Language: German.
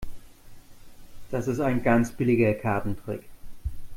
Das ist ein ganz billiger Kartentrick.